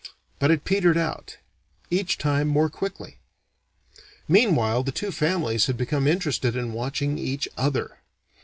But it petered out; each time more quickly. Meanwhile the two families had become interested in watching each other.